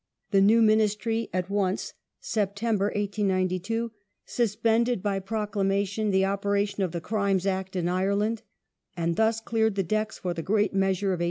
The new Ministry at once (Sept. 1892) suspended by pro clamation the operation of the Crimes Act in Ireland, and thus cleared the decks for the great measure of 1893.